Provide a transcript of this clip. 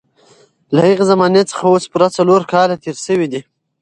له هغې زمانې څخه اوس پوره څلور کاله تېر شوي دي.